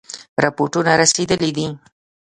رپوټونه رسېدلي دي.